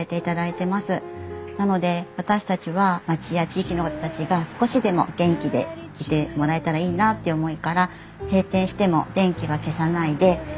なので私たちは町や地域の方たちが少しでも元気でいてもらえたらいいなという思いから閉店しても電気は消さないで明かりをともして帰ってます。